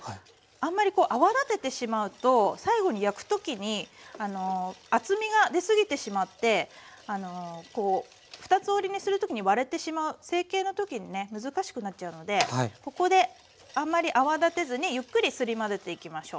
あんまりこう泡立ててしまうと最後に焼く時に厚みが出すぎてしまって二つ折りにする時に割れてしまう成形の時にね難しくなっちゃうのでここであんまり泡立てずにゆっくりすり混ぜていきましょう。